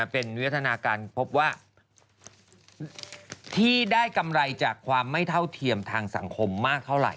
เป็นวิวัฒนาการพบว่าที่ได้กำไรจากความไม่เท่าเทียมทางสังคมมากเท่าไหร